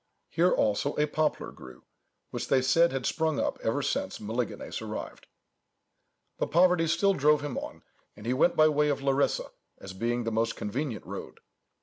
Here also a poplar grew, which they said had sprung up ever since Melesigenes arrived". But poverty still drove him on, and he went by way of Larissa, as being the most convenient road.